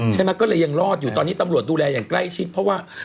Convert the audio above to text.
ใช่ไหมก็เลยยังรอดอยู่ตอนนี้ตำรวจดูแลอย่างใกล้ชิดเพราะว่า